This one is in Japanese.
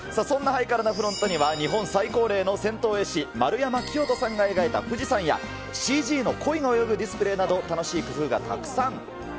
そんなハイカラなフロントには、日本最高齢の銭湯絵師、丸山清人さんが描いた富士山や、ＣＧのこいの泳ぐディスプレーなど、楽しい工夫がたくさん。